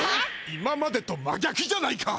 今までと真逆じゃないか！